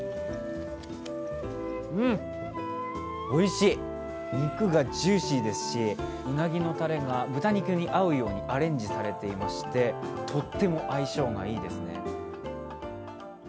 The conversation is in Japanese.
おいしい、肉がジューシーですしうなぎのたれが豚肉に合うようにアレンジされていましてとっても相性がいいですね。